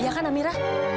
iya kan amira